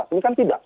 ini kan tidak